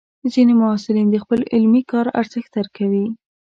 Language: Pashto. ځینې محصلین د خپل علمي کار ارزښت درکوي.